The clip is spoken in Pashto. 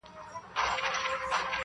مار زخمي سو له دهقان سره دښمن سو-